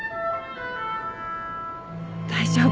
大丈夫。